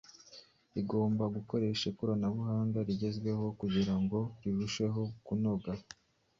rigomba gukoresha ikoranabuhanga rigezweho kugira ngo rirusheho kunoga.